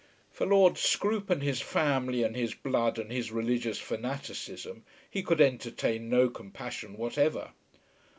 For Lord Scroope and his family and his blood and his religious fanaticism he could entertain no compassion whatever.